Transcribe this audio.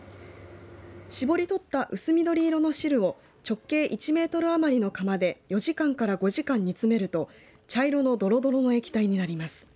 搾り取った薄緑色の汁を直径１メートル余りの釜で４時間から５時間煮詰めると茶色のどろどろの液体になります。